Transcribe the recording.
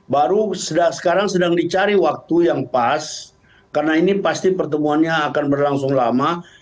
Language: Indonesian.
baru sekarang sedang dicari waktu yang pas karena ini pasti pertemuannya akan berlangsung lama